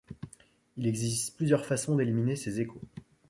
Il existe plusieurs façons d'éliminer ces échos.